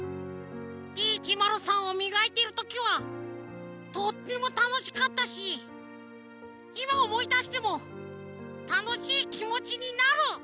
Ｄ１０３をみがいてるときはとってもたのしかったしいまおもいだしてもたのしいきもちになる！